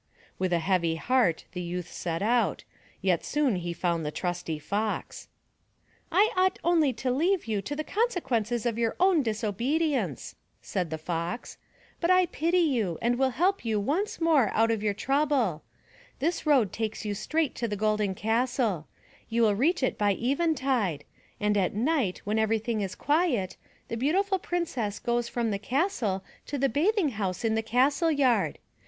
With a heavy heart the youth set out, yet soon he found the trusty Fox. "I ought only to leave you to the consequences of your own disobedience," said the Fox, "but I pity you and will help you once more out of your trouble. This road takes you straight to the Golden Castle. You will reach it by eventide; and at night when everything is quiet, the Beautiful Princess goes from the 296 THROUGH FAIRY HALLS castle to the bathing house in the castle yard.